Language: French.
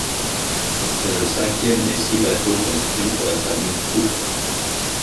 C'est le cinquième des six bateaux construits pour la famille Krupp.